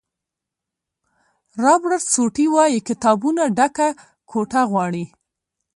رابرټ سوټي وایي کتابونو ډکه کوټه غواړي.